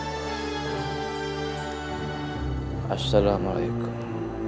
assalamualaikum warahmatullahi wabarakatuh